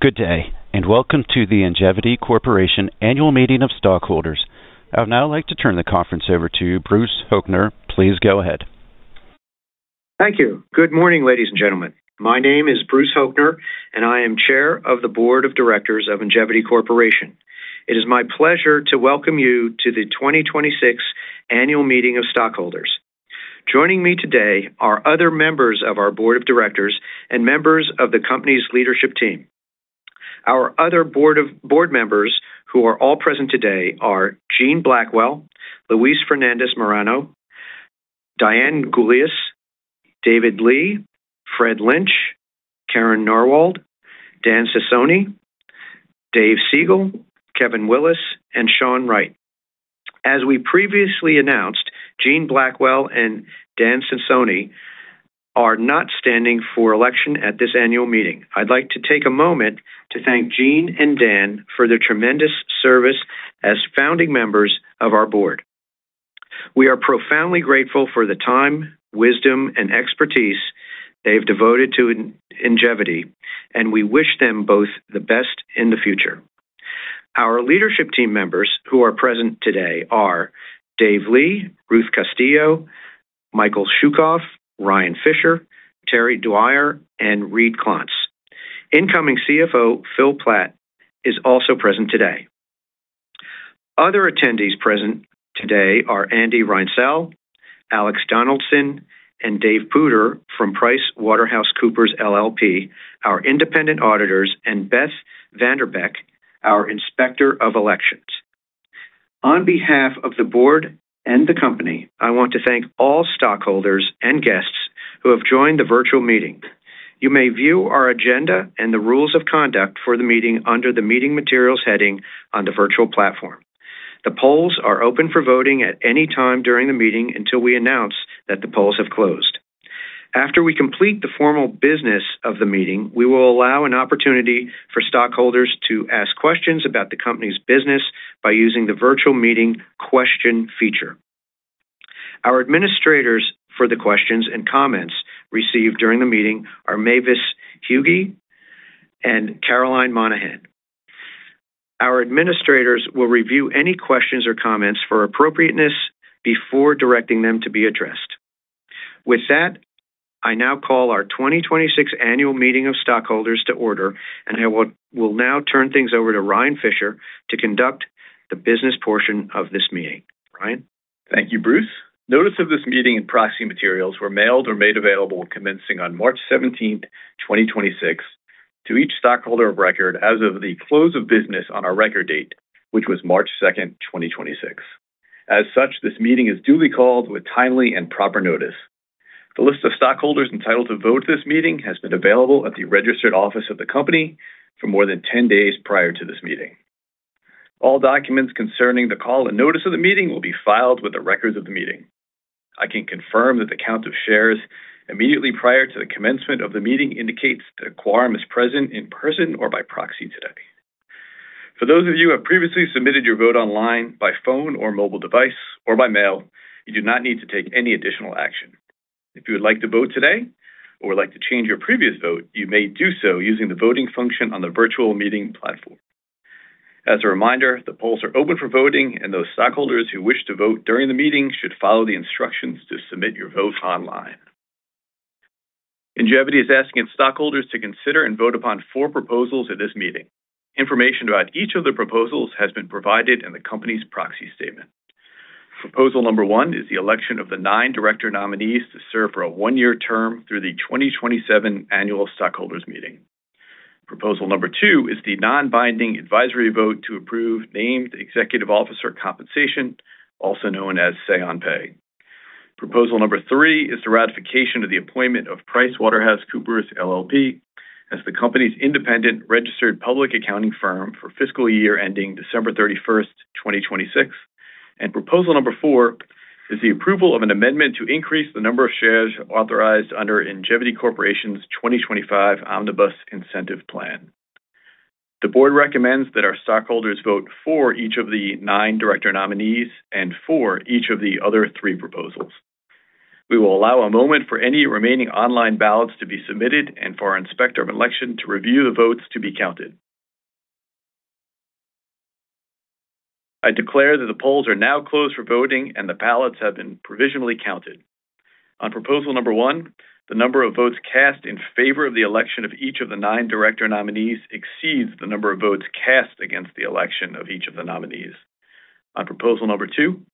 Good day, and welcome to the Ingevity Corporation Annual Meeting of Stockholders. I would now like to turn the conference over to Bruce Hoechner. Please go ahead. Thank you. Good morning, ladies and gentlemen. My name is Bruce Hoechner, and I am Chair of the Board of Directors of Ingevity Corporation. It is my pleasure to welcome you to the 2026 Annual Meeting of Stockholders. Joining me today are other members of our board of directors and members of the company's leadership team. Our other board members who are all present today are Jean Blackwell, Luis Fernandez-Moreno, Diane Gulyas, David Li, Fred Lynch, Karen Narwold, Dan Cecconi, Dave Siegel, Kevin Willis, and Shon Wright. As we previously announced, Jean Blackwell and Dan Cecconi are not standing for election at this annual meeting. I'd like to take a moment to thank Jean and Dan for their tremendous service as founding members of our board. We are profoundly grateful for the time, wisdom, and expertise they've devoted to Ingevity, and we wish them both the best in the future. Our leadership team members who are present today are Dave Li, Ruth Castillo, Michael Shukov, Ryan Fisher, Terry Dyer, and Reid Clontz. Incoming CFO Phil Platt is also present today. Other attendees present today are Andy Reinsel, Alex Donaldson, and Dave Puder from PricewaterhouseCoopers LLP, our independent auditors, and Beth VanDerbeck, our Inspector of Elections. On behalf of the board and the company, I want to thank all stockholders and guests who have joined the virtual meeting. You may view our agenda and the rules of conduct for the meeting under the Meeting Materials heading on the virtual platform. The polls are open for voting at any time during the meeting until we announce that the polls have closed. After we complete the formal business of the meeting, we will allow an opportunity for stockholders to ask questions about the company's business by using the virtual meeting question feature. Our administrators for the questions and comments received during the meeting are Mavis Hughey and Caroline Monahan. Our administrators will review any questions or comments for appropriateness before directing them to be addressed. With that, I now call our 2026 Annual Meeting of Stockholders to order, and I will now turn things over to Ryan Fisher to conduct the business portion of this meeting. Ryan. Thank you, Bruce. Notice of this meeting and proxy materials were mailed or made available commencing on March 17th, 2026 to each stockholder of record as of the close of business on our record date, which was March 2nd, 2026. This meeting is duly called with timely and proper notice. The list of stockholders entitled to vote at this meeting has been available at the registered office of the company for more than 10 days prior to this meeting. All documents concerning the call and notice of the meeting will be filed with the records of the meeting. I can confirm that the count of shares immediately prior to the commencement of the meeting indicates that a quorum is present in person or by proxy today. For those of you who have previously submitted your vote online by phone or mobile device or by mail, you do not need to take any additional action. If you would like to vote today or would like to change your previous vote, you may do so using the voting function on the virtual meeting platform. As a reminder, the polls are open for voting, and those stockholders who wish to vote during the meeting should follow the instructions to submit your vote online. Ingevity is asking stockholders to consider and vote upon four proposals at this meeting. Information about each of the proposals has been provided in the company's proxy statement. Proposal number one is the election of the nine director nominees to serve for a one-year term through the 2027 annual stockholders meeting. Proposal number two is the non-binding advisory vote to approve named executive officer compensation, also known as Say on Pay. Proposal number three is the ratification of the appointment of PricewaterhouseCoopers LLP as the company's independent registered public accounting firm for fiscal year ending December 31, 2026. Proposal number four is the approval of an amendment to increase the number of shares authorized under Ingevity Corporation 2025 Omnibus Incentive Plan. The board recommends that our stockholders vote for each of the nine director nominees and for each of the other three proposals. We will allow a moment for any remaining online ballots to be submitted and for our Inspector of Elections to review the votes to be counted. I declare that the polls are now closed for voting, and the ballots have been provisionally counted. On proposal number one, the number of votes cast in favor of the election of each of the nine director nominees exceeds the number of votes cast against the election of each of the nominees. On proposal number two,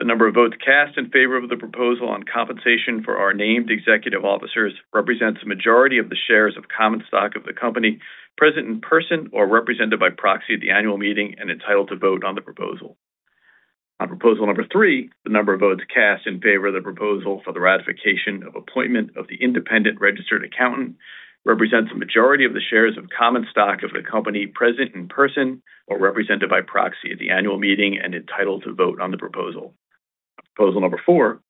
the number of votes cast in favor of the proposal on compensation for our named executive officers represents a majority of the shares of common stock of the company present in person or represented by proxy at the annual meeting and entitled to vote on the proposal. On proposal number three, the number of votes cast in favor of the proposal for the ratification of appointment of the independent registered accountant represents a majority of the shares of common stock of the company present in person or represented by proxy at the annual meeting and entitled to vote on the proposal. On proposal number four,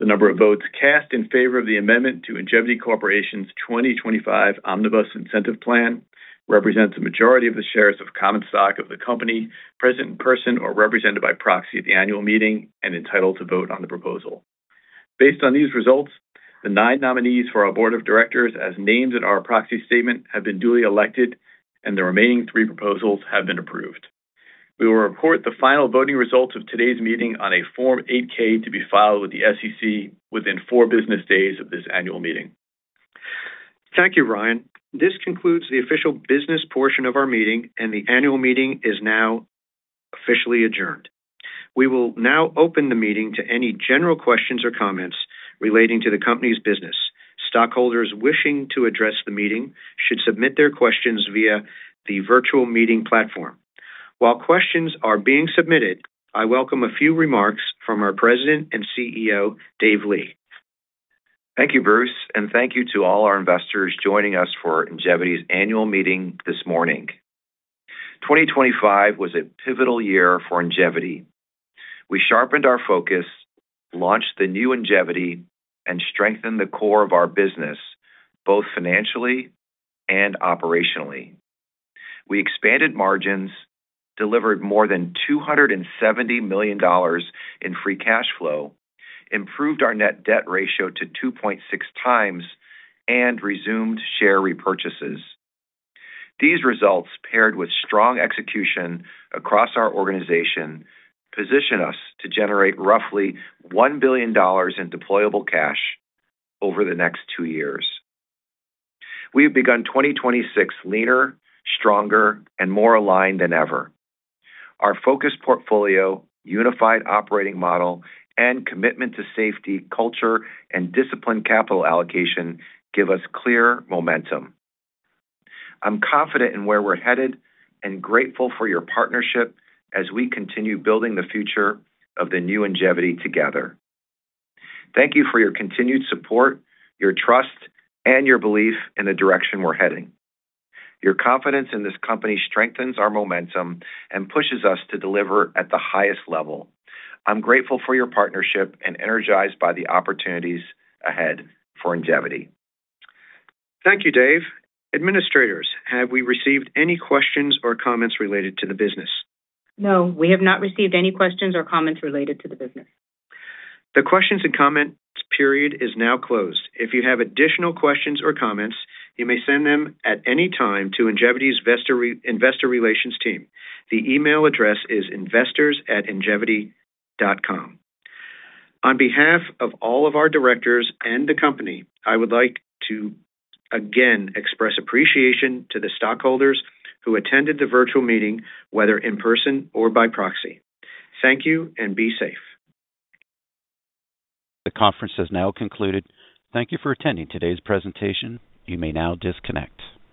the number of votes cast in favor of the amendment to Ingevity Corporation's 2025 Omnibus Incentive Plan represents a majority of the shares of common stock of the company present in person or represented by proxy at the annual meeting and entitled to vote on the proposal. Based on these results, the nine nominees for our board of directors as names in our proxy statement have been duly elected and the remaining three proposals have been approved. We will report the final voting results of today's meeting on a Form 8-K to be filed with the SEC within four business days of this annual meeting. Thank you, Ryan. This concludes the official business portion of our meeting, and the annual meeting is now officially adjourned. We will now open the meeting to any general questions or comments relating to the company's business. Stockholders wishing to address the meeting should submit their questions via the virtual meeting platform. While questions are being submitted, I welcome a few remarks from our President and CEO, Dave Li. Thank you, Bruce. Thank you to all our investors joining us for Ingevity's annual meeting this morning. 2025 was a pivotal year for Ingevity. We sharpened our focus, launched the new Ingevity, and strengthened the core of our business, both financially and operationally. We expanded margins, delivered more than $270 million in free cash flow, improved our net debt ratio to 2.6x, and resumed share repurchases. These results, paired with strong execution across our organization, position us to generate roughly $1 billion in deployable cash over the next two years. We have begun 2026 leaner, stronger, and more aligned than ever. Our focused portfolio, unified operating model, and commitment to safety, culture, and disciplined capital allocation give us clear momentum. I'm confident in where we're headed and grateful for your partnership as we continue building the future of the new Ingevity together. Thank you for your continued support, your trust, and your belief in the direction we're heading. Your confidence in this company strengthens our momentum and pushes us to deliver at the highest level. I'm grateful for your partnership and energized by the opportunities ahead for Ingevity. Thank you, Dave. Administrators, have we received any questions or comments related to the business? No, we have not received any questions or comments related to the business. The questions and comments period is now closed. If you have additional questions or comments, you may send them at any time to Ingevity's investor relations team. The email address is investors@ingevity.com. On behalf of all of our directors and the company, I would like to again express appreciation to the stockholders who attended the virtual meeting, whether in person or by proxy. Thank you and be safe. The conference has now concluded. Thank you for attending today's presentation. You may now disconnect.